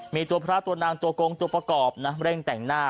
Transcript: มีตัวพระตัวนางตัวโกงตัวประกอบนะเร่งแต่งหน้า